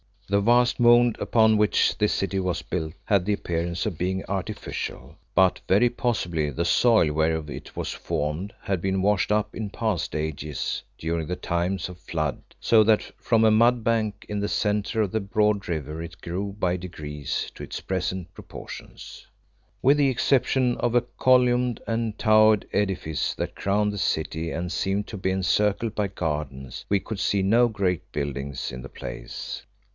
The vast mound upon which this city was built had the appearance of being artificial, but very possibly the soil whereof it was formed had been washed up in past ages during times of flood, so that from a mudbank in the centre of the broad river it grew by degrees to its present proportions. With the exception of a columned and towered edifice that crowned the city and seemed to be encircled by gardens, we could see no great buildings in the place.